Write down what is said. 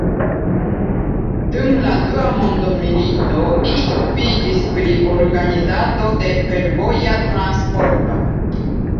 Dum la Dua mondmilito li okupiĝis pri organizado de fervoja transporto.